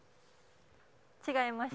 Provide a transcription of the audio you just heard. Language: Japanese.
違います。